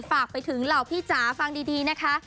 ฝากไปถึงเหล่าพี่จ๋าฟังดีนะคะ